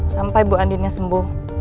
sampai bu andinnya sembuh